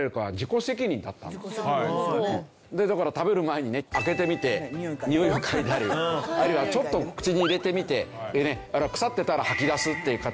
だから食べる前にね開けてみてにおいを嗅いだりあるいはちょっと口に入れてみて腐ってたら吐き出すという形をしてた。